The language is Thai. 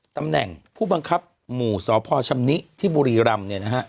ตำแหน่งผู้บังคับหมู่สพชำนิที่บุรีรำ